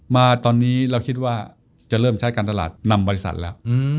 มาตอนนี้เราคิดว่าจะเริ่มใช้การตลาดนำบริษัทแล้ว